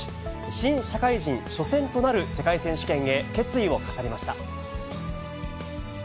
新社会人初戦となる世界選手権へ決意を語りました。